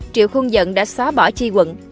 triệu khuôn dận đã xóa bỏ chi quận